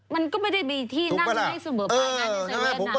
มันก็ไม่ได้ไปที่นั่นให้สมบัครนะฮะ๔